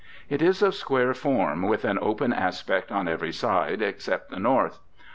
It is of square form with an open aspect on every side except the north.